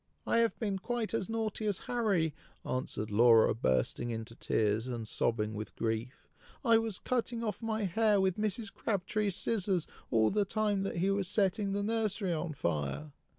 "I have been quite as naughty as Harry!" answered Laura, bursting into tears and sobbing with grief; "I was cutting off my hair with Mrs. Crabtree's scissors all the time that he was setting the nursery on fire!"